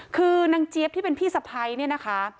คือนางเจี๊ยบที่เป็นพี่สะพ้ายเนี่ยนะคะ